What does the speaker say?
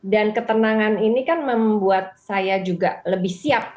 dan ketenangan ini kan membuat saya juga lebih siap